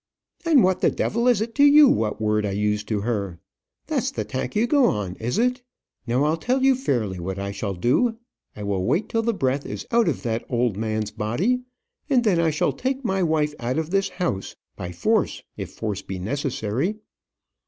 "And what the devil is it to you what word I used to her? That's the tack you go on, is it? Now, I'll tell you fairly what I shall do. I will wait till the breath is out of that old man's body, and then I shall take my wife out of this house by force, if force be necessary."